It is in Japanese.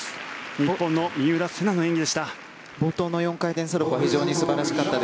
日本の三浦星南の演技でした。